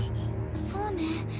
そうね。